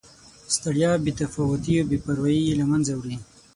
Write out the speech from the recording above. ستړیا، بې تفاوتي او بې پروایي له مینځه وړي.